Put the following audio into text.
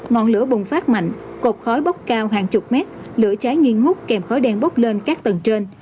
ngọn lửa bùng phát mạnh cột khói bốc cao hàng chục mét lửa trái nghiêng hút kèm khói đen bốc lên các tầng trên